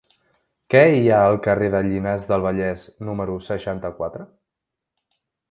Què hi ha al carrer de Llinars del Vallès número seixanta-quatre?